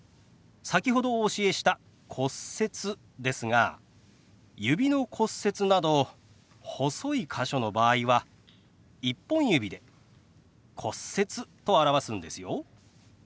先ほどお教えした「骨折」ですが指の骨折など細い箇所の場合は１本指で「骨折」と表すんですよ。